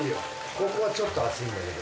ここはちょっと熱いんだけど。